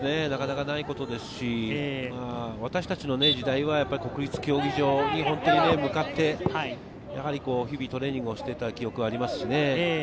なかなかないことですし、私たちの時代は国立競技場に本当に向かって、日々トレーニングをしていた記憶があります。